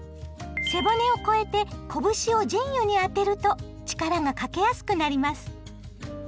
背骨を越えて拳を腎兪に当てると力がかけやすくなります。